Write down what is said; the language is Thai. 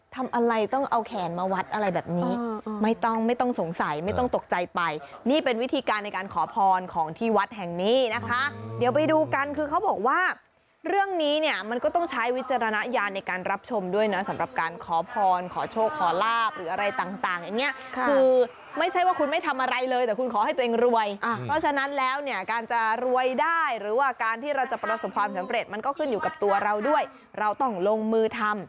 ทำอะไรต้องเอาแขนมาวัดอะไรแบบนี้ไม่ต้องไม่ต้องสงสัยไม่ต้องตกใจไปนี่เป็นวิธีการในการขอพรของที่วัดแห่งนี้นะคะเดี๋ยวไปดูกันคือเขาบอกว่าเรื่องนี้เนี่ยมันก็ต้องใช้วิจารณญาณในการรับชมด้วยนะสำหรับการขอพรขอโชคขอลาบอะไรต่างอย่างนี้คือไม่ใช่ว่าคุณไม่ทำอะไรเลยแต่คุณขอให้ตัวเองรวยเพราะฉะนั้นแล้วเน